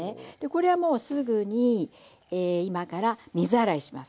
これはもうすぐに今から水洗いします。